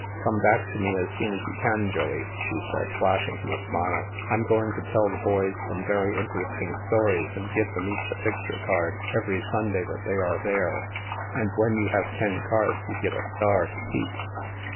" Come back to me as soon as you can, Joey," she said, flashing him a smile. " I'm going to tell the boys some very interesting stories and give them each a picture card every Sunday that they are there. And, when you have ten cards, you get a star to keep."